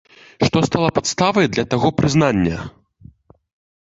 Што стала падставай для таго прызнання?